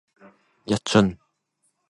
一樽